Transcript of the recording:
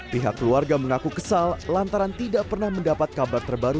pihak keluarga mengaku kesal lantaran tidak pernah mendapat kabar terbaru